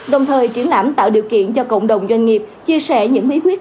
đồng thời triển lãm tạo điều kiện cho cộng đồng doanh nghiệp chia sẻ những bí quyết